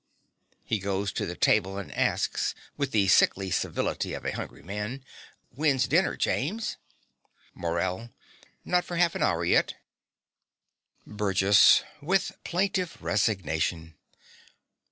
(He goes to the table and asks, with the sickly civility of a hungry man) When's dinner, James? MORELL. Not for half an hour yet. BURGESS (with plaintive resignation).